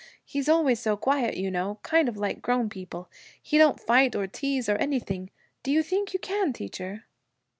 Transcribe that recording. He's always so quiet, you know, kind of like grown people. He don't fight or tease or anything. Do you think you can, teacher?'